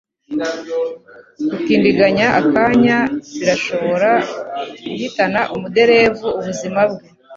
Gutindiganya akanya birashobora guhitana umuderevu ubuzima bwe.